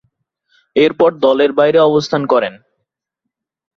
এরপর দলের বাইরে অবস্থান করেন।